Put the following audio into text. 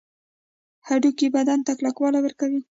هډوکي بدن ته کلکوالی ورکوي